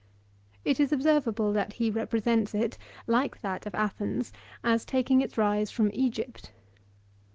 It is observable that he represents it, like that of Athens, as takings its rise from Egypt.